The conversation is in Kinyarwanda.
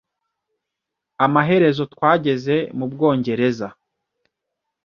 Amaherezo, twageze mu Bwongereza